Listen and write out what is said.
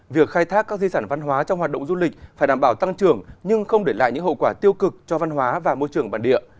việc khai thác các di sản văn hóa trong hoạt động du lịch phải đảm bảo tăng trưởng nhưng không để lại những hậu quả tiêu cực cho văn hóa và môi trường bản địa